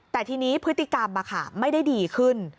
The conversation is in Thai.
แต่ทีนี้พฤติกรรมไม่ได้ดีขึ้น